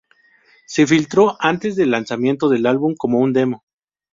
Se filtró antes del lanzamiento del álbum como un demo.